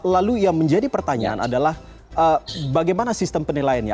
lalu yang menjadi pertanyaan adalah bagaimana sistem penilaiannya